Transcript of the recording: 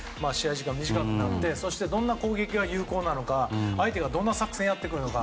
時間が短くなってそしてどんな攻撃が有効なのか相手がどんな作戦をやってくるのか。